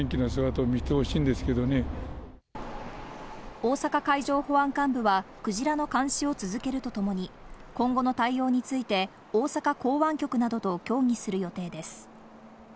大阪海上保安監部はクジラの監視を続けるとともに、今後の対応について大阪港湾局などと協議する予定です。